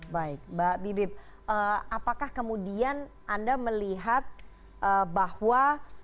baik mbak bibip apakah kemudian anda melihat bahwa